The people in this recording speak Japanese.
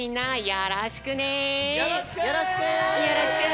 よろしく！